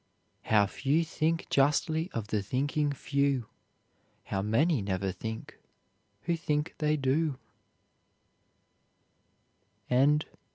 "How few think justly of the thinking few: How many never think who think they do."